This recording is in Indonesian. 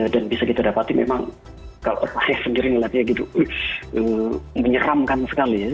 dan bisa kita dapati memang kalau saya sendiri melihatnya gitu menyeramkan sekali